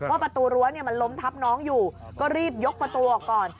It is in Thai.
ประตูรั้วมันล้มทับน้องอยู่ก็รีบยกประตูออกก่อน